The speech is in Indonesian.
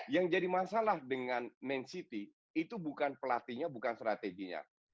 yang jadi masalah dengan man city itu bukan pelatihnya bukan strateginya